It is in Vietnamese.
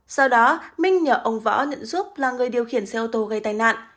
sau đó minh nhờ ông võ nhận giúp là người điều khiển xe ô tô gây tai nạn